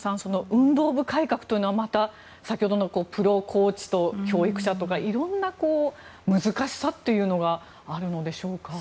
運動部改革というのはまた先ほどのプロコーチと教育者とか色んな難しさというのがあるのでしょうか。